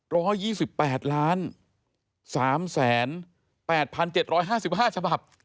รอ๒๘๓๐๘๗๕๕ฉบับ